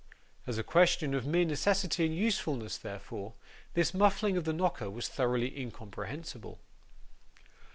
As a question of mere necessity and usefulness, therefore, this muffling of the knocker was thoroughly incomprehensible.